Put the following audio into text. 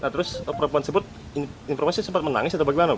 nah terus korban tersebut informasi sempat menangis atau bagaimana